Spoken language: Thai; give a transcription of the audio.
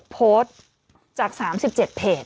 โพสต์จาก๓๗เพจ